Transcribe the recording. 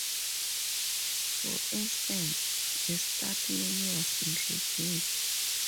For instance, the Start menu was introduced.